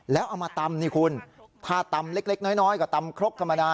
แล้วเอามาตำนี่คุณถ้าตำเล็กน้อยก็ตำครกธรรมดา